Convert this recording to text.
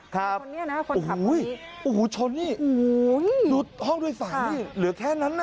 ครับโอ้โฮโอ้โฮชนนี่ดูห้องด้วยสายนี่เหลือแค่นั้นนะ